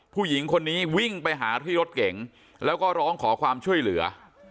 ผู้หญิงคนนี้วิ่งไปหาที่รถเก๋งแล้วก็ร้องขอความช่วยเหลือ